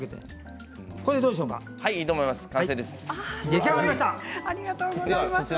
いいと思います。